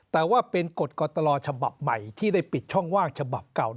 แต่ว่าเป็นกฎกตลฉบับใหม่ที่ได้ปิดช่องว่างฉบับเก่า